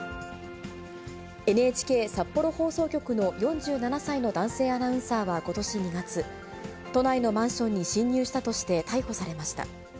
ＮＨＫ札幌放送局の４７歳の男性アナウンサーはことし２月、都内のマンションに侵入したとして逮捕されました。